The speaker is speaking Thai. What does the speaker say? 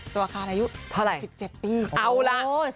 ตัวอาคารอายุ๑๗ปีโอ้โหโอ้โฮสี่เจ็ดเอาละ